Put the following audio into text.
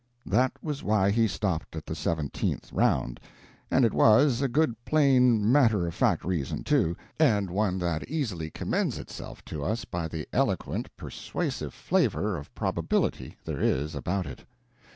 That was why he stopped at the seventeenth round, and it was, a good plain matter of fact reason, too, and one that easily commends itself to us by the eloquent, persuasive flavor of probability there is about it.